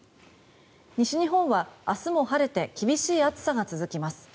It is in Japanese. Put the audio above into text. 西日本は明日も晴れて厳しい暑さが続きます。